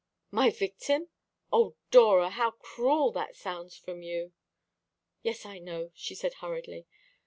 "My victim? O Dora, how cruel that sounds from you!" "Yes, I know," she said hurriedly.